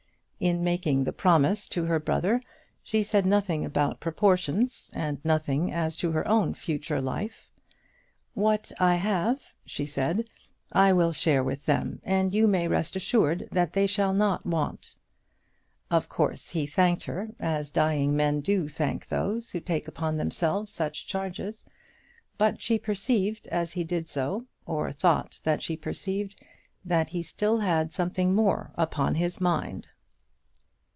In making the promise to her brother she said nothing about proportions, and nothing as to her own future life. "What I have," she said, "I will share with them and you may rest assured that they shall not want." Of course he thanked her as dying men do thank those who take upon themselves such charges; but she perceived as he did so, or thought that she perceived, that he still had something more upon his mind.